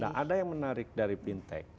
tidak ada yang menarik dari fintech